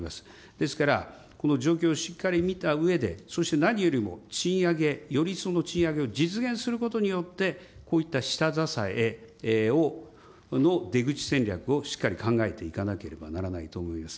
ですからこの状況をしっかり見たうえで、そして何よりも賃上げ、よりその賃上げを実現することによって、こういった下支えの出口戦略をしっかり考えていかなければならないと思います。